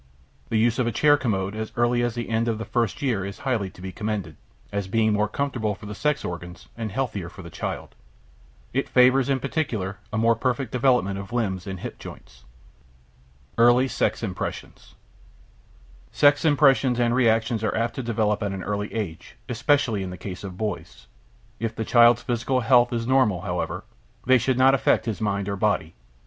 The use of a chair commode as early as the end of the first year is highly to be commended, as being more comfortable for the sex organs and healthier for the child. It favors, in particular, a more perfect development of limbs and hip joints. EARLY SEX IMPRESSIONS Sex impressions and reactions are apt to develop at an early age, especially in the case of boys. If the child's physical health is normal, however, they should not affect his mind or body.